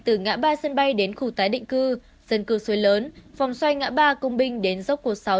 từ ngã ba sân bay đến khu tái định cư dân cư xôi lớn phòng xoay ngã ba công minh đến dốc quốc sáu